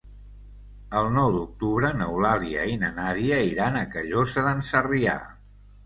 El nou d'octubre n'Eulàlia i na Nàdia iran a Callosa d'en Sarrià.